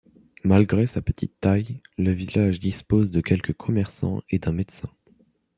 Malgré sa petite taille, le village dispose de quelques commerçants et d’un médecin.